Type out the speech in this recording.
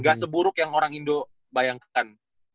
gak seburuk yang orang indo bayangkan